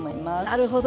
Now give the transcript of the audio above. なるほど。